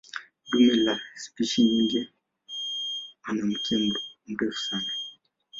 Dume la spishi nyingi ana mkia mrefu sana.